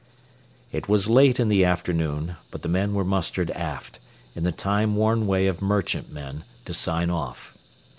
It was late in the afternoon, but the men were mustered aft, in the time worn way of merchant men, to sign off.